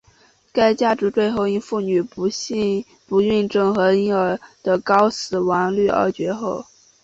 该家族最后因妇女的不孕症和婴儿的高死亡率而绝后。